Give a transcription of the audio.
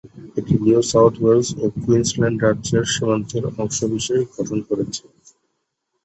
এটি New South Wales ও Queensland রাজ্যের সীমান্তের অংশবিশেষ গঠন করেছে।